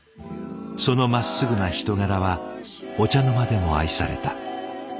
そのまっすぐな人柄はお茶の間でも愛された。